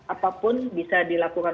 apapun bisa dilakukan